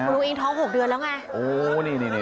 อุ้งอิงท้อง๖เดือนแล้วไง